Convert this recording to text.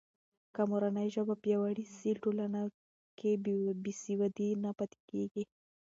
که مورنۍ ژبه پیاوړې سي، ټولنه کې بې سوادي نه پاتې کېږي.